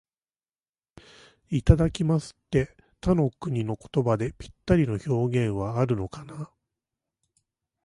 「いただきます」って、他の国の言葉でぴったりの表現はあるのかな。